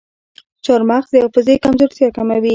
چارمغز د حافظې کمزورتیا کموي.